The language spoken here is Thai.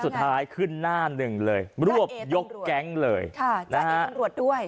สุดท้ายขึ้นหน้าหนึ่งเลยรวบยกแก๊งเลยค่ะนะฮะมีตำรวจด้วย